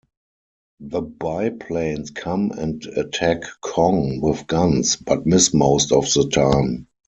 The biplanes come and attack Kong with guns, but miss most of the time.